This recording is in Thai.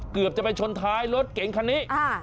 เกือบจะไปชนท้ายรถเก๋งคันนี้